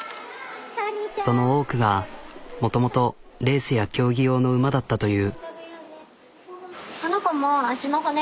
その多くがもともとレースや競技用の馬だったという。